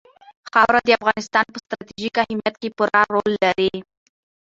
خاوره د افغانستان په ستراتیژیک اهمیت کې پوره رول لري.